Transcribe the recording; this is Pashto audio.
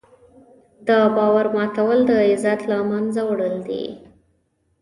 د باور ماتول د عزت له منځه وړل دي.